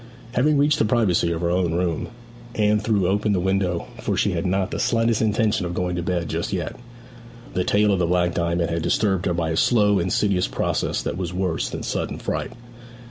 Having reached the privacy of her own room, Anne threw open the window, for she had not the slightest intention of going to bed just yet. The tale of the Black Diamond had disturbed her by a slow, insidious process that was worse than sudden fright.